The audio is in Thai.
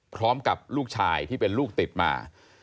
พร้อมกับลูกชายที่เป็นลูกติดมา